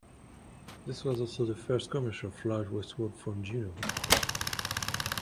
This was also the first commercial flight westward from Juneau.